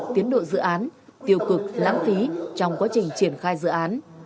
tiến độ dự án tiêu cực lãng phí trong quá trình triển khai dự án